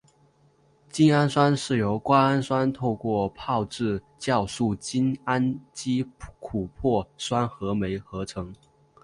精氨酸是由瓜氨酸透过胞质酵素精氨基琥珀酸合酶合成。